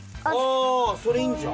あそれいいんじゃん！